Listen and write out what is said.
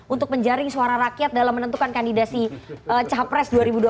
untuk menjaring suara rakyat dalam menentukan kandidasi capres dua ribu dua puluh